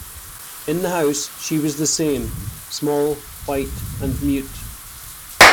In the house she was the same — small, white, and mute.